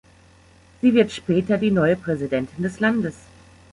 Sie wird später die neue Präsidentin des Landes.